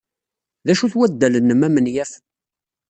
D acu-t waddal-nnem amenyaf.